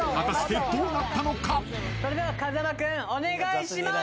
それでは風間君お願いします。